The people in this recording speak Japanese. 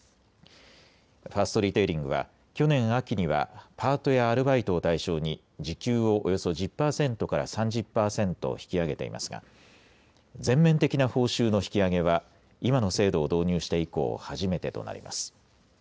ファーストリテイリングは去年秋にはパートやアルバイトを対象に時給をおよそ１０％から３０％引き上げていますが、全面的な報酬の引き上げは今の制度を導入して以降、初めてとなります。